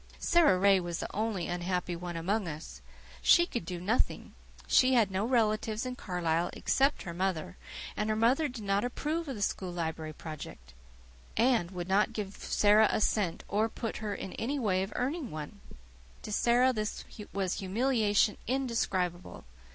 Sara Ray was the only unhappy one among us. She could do nothing. She had no relatives in Carlisle except her mother, and her mother did not approve of the school library project, and would not give Sara a cent, or put her in any way of earning one. To Sara, this was humiliation indescribable.